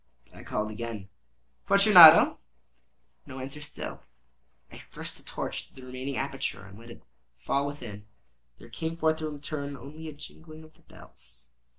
I called again— "Fortunato!" No answer still. I thrust a torch through the remaining aperture and let it fall within. There came forth in return only a jingling of the bells.